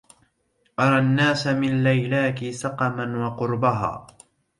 أرى الناس من ليلاك سقما وقربها